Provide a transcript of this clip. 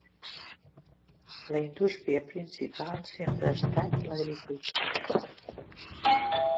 La indústria principal sempre ha estat l'agricultura.